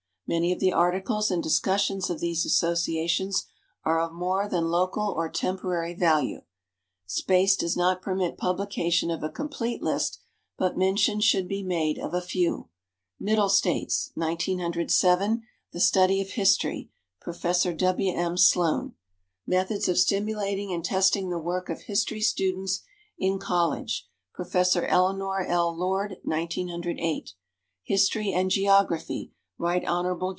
Many of the articles and discussions of these associations are of more than local or temporary value. Space does not permit publication of a complete list, but mention should be made of a few: Middle States, 1907, "The Study of History," Prof. W. M. Sloane; "Methods of Stimulating and Testing the Work of History Students in College," Prof. Eleanor L. Lord; 1908, "History and Geography," Rt. Hon.